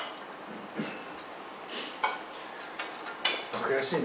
悔しいね。